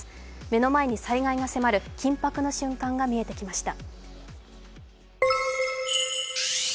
目の前に災害が迫る緊迫の瞬間が見えてきました。